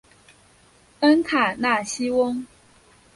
恩卡纳西翁。